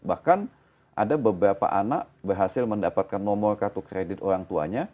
bahkan ada beberapa anak berhasil mendapatkan nomor kartu kredit orang tuanya